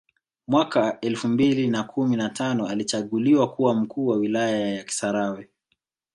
Mwaka elfu mbili na kumi na tano alichaguliwa kuwa mkuu wa wilaya ya kisarawe